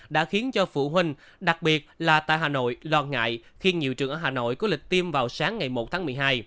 đã khiến cho phụ huynh đặc biệt là tại hà nội lo ngại khi nhiều trường ở hà nội có lịch tiêm vào sáng ngày một tháng một mươi hai